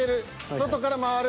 外から回る。